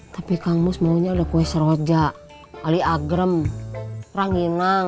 tapi kamu semuanya udah kue sroja aliagrem ranginang